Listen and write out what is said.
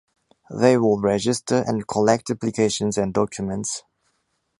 They will register and collect applications and documents.